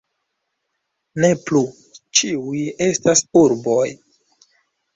Ne plu ĉiuj estas urboj.